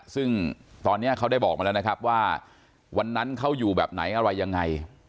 ซึ่งตอนนี้เขาได้บอกมาแล้วนะครับว่าวันนั้นเขาอยู่แบบไหนอะไรยังไง